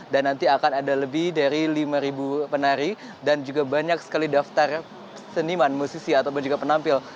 dan nanti akan ada lebih dari lima penari dan juga banyak sekali daftar seniman musisi ataupun juga penampil